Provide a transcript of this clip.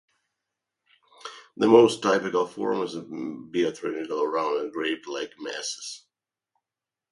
The most typical form is as botryoidal rounded grape-like masses.